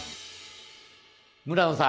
村野さん